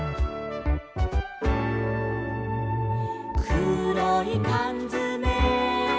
「くろいかんづめ」